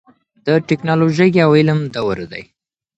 د ټیکنالوژۍ او علم دور دی.